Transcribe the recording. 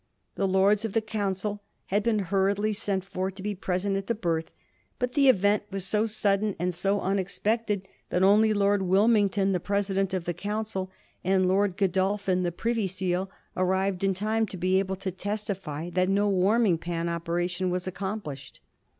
The Lords of the Council had been hurriedly sent for to be present at the birth ; but the event was so sud den and so unexpected that only Lord Wilmington, the President of the Council, and Lord Godolphin, the Privy Seal, arrived in time to be able to testify that no warming pan operation was accomplished.